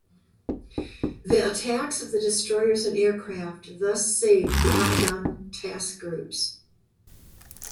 The attacks of the destroyers and aircraft thus saved the outgunned task groups.